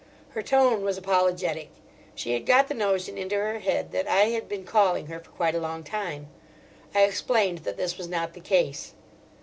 Her tone was apologetic. She had got the notion into her head that I had been calling her for quite a long time. I explained that this was not the case.